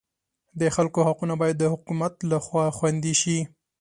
د خلکو حقونه باید د حکومت لخوا خوندي شي.